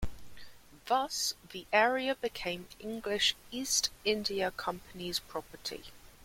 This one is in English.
Thus, the area became English east India Company's property.